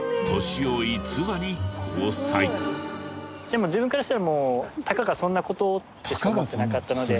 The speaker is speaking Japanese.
でも自分からしたらもう「たかがそんな事？」ってしか思ってなかったので。